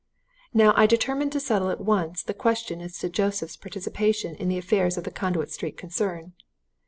"Now I determined to settle at once the question as to Joseph's participation in the affairs of the Conduit Street concern.